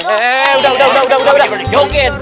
eh udah udah jokin